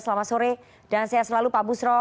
selamat sore dan sehat selalu pak busro